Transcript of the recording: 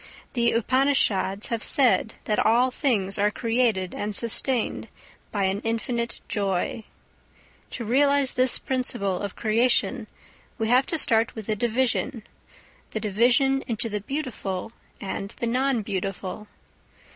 The Upanishads have said that all things are created and sustained by an infinite joy. To realise this principle of creation we have to start with a division the division into the beautiful and the non beautiful.